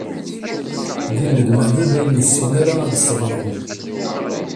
D inelmaden ur nessin ara ad sseɣren.